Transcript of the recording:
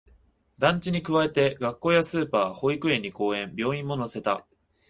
団地に加えて、学校やスーパー、保育園に公園、病院も乗せた